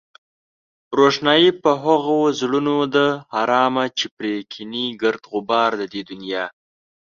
روښنايي په هغو زړونو ده حرامه چې پرې کېني گرد غبار د دې دنيا